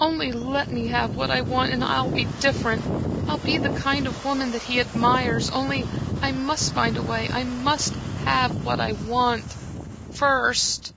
Only let me have what I want, and I'll be different; I'll be the kind of woman that he admires; only I must find a way, I must have what I want first."